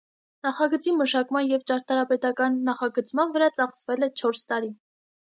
Նախագծի մշակման և ճարտարապետական նախագծման վրա ծախսվել է չորս տարի։